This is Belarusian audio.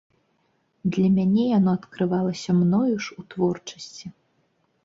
Для мяне яно адкрывалася мною ж у творчасці.